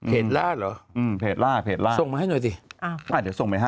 ล่าเหรออืมเพจล่าเพจล่าส่งมาให้หน่อยสิอ่าเดี๋ยวส่งไปให้